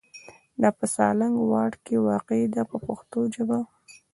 دا په سالنګ واټ کې واقع ده په پښتو ژبه.